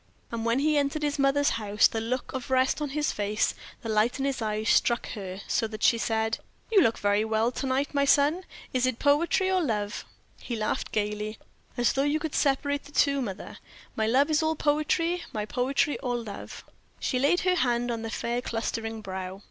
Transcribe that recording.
And when he entered his mother's house, the look of rest on his face, the light in his eyes struck her so, that she said: "You look very well to night, my son. Is it poetry or love?" He laughed gayly. "As though you could separate the two, mother. My love is all poetry, my poetry all love." She laid her hand on the fair clustering brow.